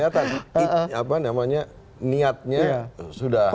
ternyata niatnya sudah ada